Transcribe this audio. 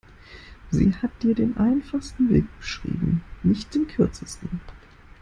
Sie hat dir den einfachsten Weg beschrieben, nicht den kürzesten.